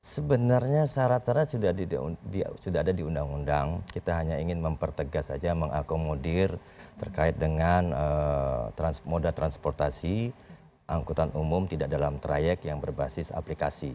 sebenarnya syarat syarat sudah ada di undang undang kita hanya ingin mempertegas saja mengakomodir terkait dengan moda transportasi angkutan umum tidak dalam trayek yang berbasis aplikasi